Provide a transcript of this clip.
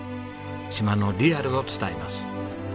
島のリアルを伝えます。